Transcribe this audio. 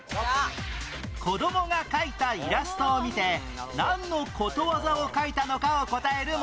子どもが描いたイラストを見てなんのことわざを描いたのかを答える問題